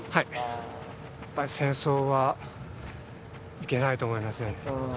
やっぱり戦争はいけないと思いますよね。